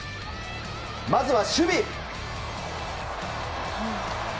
まずは守備。